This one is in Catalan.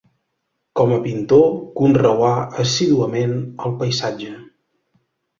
Com a pintor, conreà assíduament el paisatge.